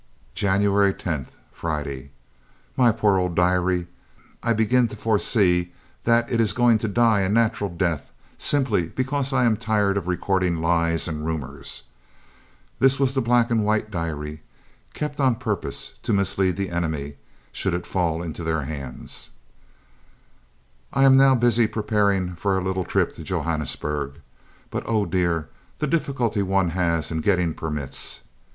"January 10th, Friday. "My poor old diary! I begin to foresee that it is going to die a natural death, simply because I am tired of recording lies and rumours [this was the black and white diary, kept on purpose to mislead the enemy, should it fall into their hands]. "I am now busy preparing for a little trip to Johannesburg, but oh dear! the difficulty one has in getting permits!